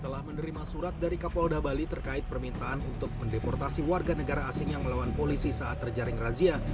telah menerima surat dari kapolda bali terkait permintaan untuk mendeportasi warga negara asing yang melawan polisi saat terjaring razia